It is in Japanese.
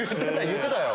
言ってたよ！